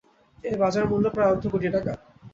এর বাজারমূল্য প্রায় অর্ধকোটি টাকা।